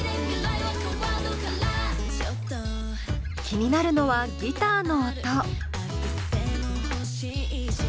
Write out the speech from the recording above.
気になるのはギターの音。